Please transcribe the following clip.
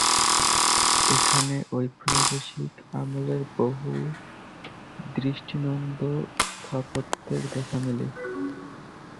এখানে ঔপনিবেশিক আমলের বহু দৃষ্টিনন্দন স্থাপত্যের দেখা মেলে।